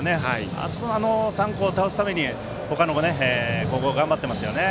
あそこの３校を倒すために他の高校は頑張っていますね。